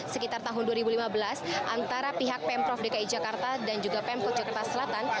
sekitar tahun dua ribu lima belas antara pihak pemprov dki jakarta dan juga pemkot jakarta selatan